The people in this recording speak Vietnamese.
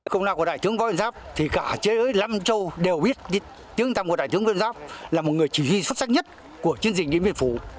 chúng tôi đều biết đại tướng võ nguyên giáp là một người chỉ huy xuất sắc nhất của chiến dịch điệm biên phủ